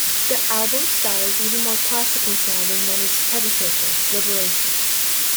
The album's style is even more classical-sounding than its predecessor, "Liberation".